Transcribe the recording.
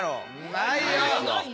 ないよ！